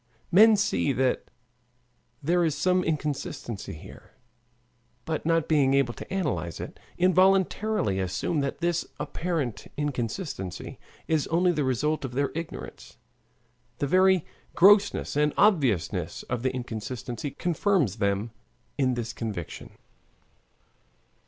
Men see that there is some inconsistency here, but not being able to analyze it, involuntarily assume that this apparent inconsistency is only the result of their ignorance. The very grossness and obviousness of the inconsistency confirms them in this conviction.